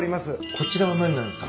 こちらは何になるんですか？